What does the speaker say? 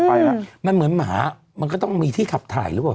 ไปแล้วมันเหมือนหมามันก็ต้องมีที่ขับถ่ายหรือเปล่า